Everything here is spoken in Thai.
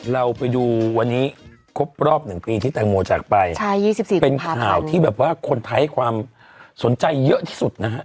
เราไปดูวันนี้ครบรอบหนึ่งปีที่แตงโมจากไปใช่๒๔ปีเป็นข่าวที่แบบว่าคนไทยให้ความสนใจเยอะที่สุดนะฮะ